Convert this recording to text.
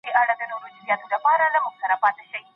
په کور کې د زده کړې مخه نه ډب کېږي.